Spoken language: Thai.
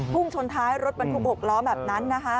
พุ่งชนท้ายรถมันพุ่งพกล้อแบบนั้นนะคะ